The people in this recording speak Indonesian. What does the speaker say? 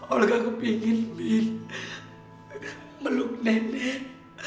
olga kepengen min meluk nenek